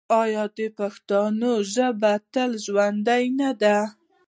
آیا د پښتنو ژبه به تل ژوندی نه وي؟